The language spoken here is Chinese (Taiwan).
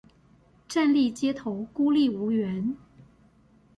站立街頭孤立無援